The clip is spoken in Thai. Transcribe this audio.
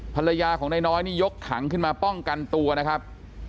ภรรยาของนายน้อยนี่ยกถังขึ้นมาป้องกันตัวนะครับ